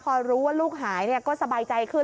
พอรู้ว่าลูกหายก็สบายใจขึ้น